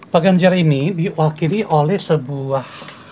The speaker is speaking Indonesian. pak ganjar ini diwakili oleh sebuah